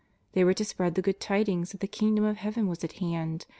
They were to spread the good tidings that the Kingdom of Heaven was at hand.